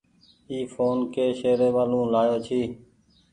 اي ڦون ڪي شهريمآلو لآيو ڇي۔